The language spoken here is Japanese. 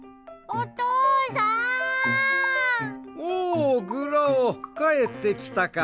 おおグラオかえってきたか。